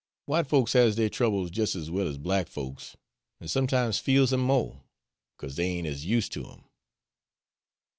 W'ite folks has deir troubles jes' ez well ez black folks, an' sometimes feels 'em mo', 'cause dey ain't ez use' ter 'em."